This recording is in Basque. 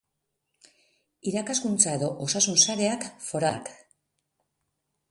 Irakaskuntza edo osasun sareak, foralak.